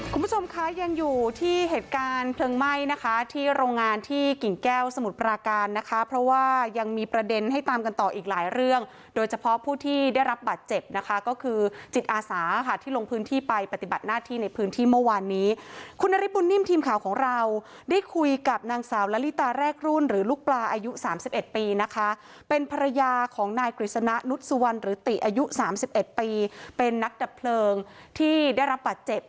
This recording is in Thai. คุณผู้ชมคะยังอยู่ที่เหตุการณ์เพลิงไหม้นะคะที่โรงงานที่กิ่งแก้วสมุทรปราการนะคะเพราะว่ายังมีประเด็นให้ตามกันต่ออีกหลายเรื่องโดยเฉพาะผู้ที่ได้รับบัตรเจ็บนะคะก็คือจิตอาสาค่ะที่ลงพื้นที่ไปปฏิบัติหน้าที่ในพื้นที่เมื่อวานนี้คุณนริปุ่นนิ่มทีมข่าวของเราได้คุยกับนางสาวละลิตาแรกรุ่นห